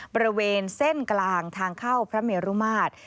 บริเวณเส้นกลางทางเข้าพระเมรุมาตร